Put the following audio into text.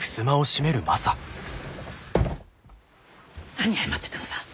何謝ってたのさ？